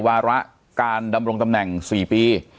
วาระการดำรงตำแหน่ง๔ปี